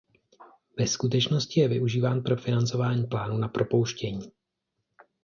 Ve skutečnosti je využíván pro financování plánů na propouštění.